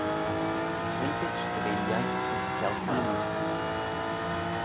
Pointit dy ve lhait ayns kialteenyn.